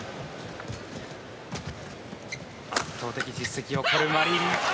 圧倒的実績を誇るマリン。